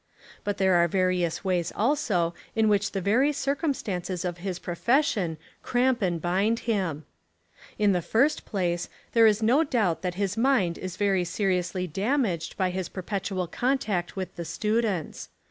But there are various ways also In which the very circumstances of his profession cramp and bind him. ' In the first place there Is no doubt that his mind is very seriously damaged by his per petual contact with the students.